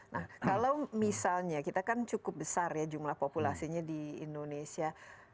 nah kalau misalnya kita kan cukup besar ya jumlah populasinya di indonesia